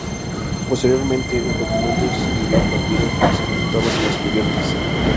Posteriormente, el documento se escribía en papiro y se presentaba sin las cubiertas.